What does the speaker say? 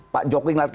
pak jokwing lah